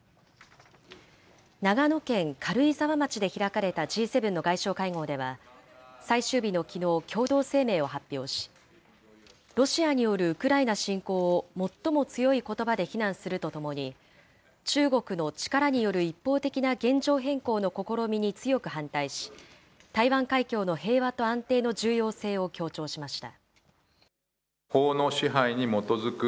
長野県軽井沢町で開かれたＧ７の外相会合では、最終日のきのう、共同声明を発表し、ロシアによるウクライナ侵攻を最も強いことばで非難するとともに、中国の力による一方的な現状変更の試みに強く反対し、台湾海峡の平和と安定の重要性を強調しました。